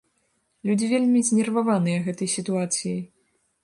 Людзі вельмі знерваваныя гэтай сітуацыяй.